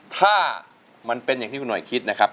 ถ้ามันเป็นอย่างที่คุณหน่อยคิดนะครับ